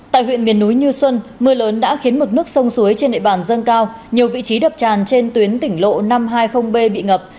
tại huyện miền núi như xuân mưa lớn đã khiến mực nước sông suối trên địa bàn dâng cao nhiều vị trí đập tràn trên tuyến tỉnh lộ năm trăm hai mươi b bị ngập